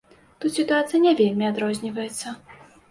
Тут сітуацыя не вельмі адрозніваецца.